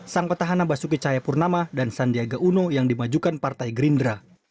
sang ketahanan basuki cahaya purnama dan sandiaga uno yang dimajukan partai gerindra